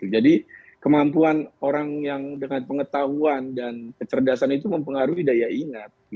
jadi kemampuan orang yang dengan pengetahuan dan kecerdasan itu mempengaruhi daya ingat